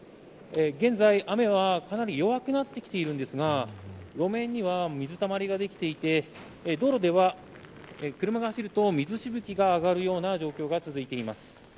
現在、雨はかなり弱くなってきているんですが路面には水たまりができていて道路では車が走ると水しぶきが上がるような状況が続いています。